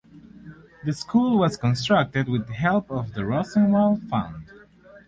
This school was constructed with help of the Rosenwald Fund.